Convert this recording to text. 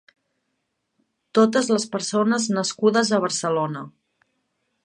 Totes les persones nascudes a Barcelona.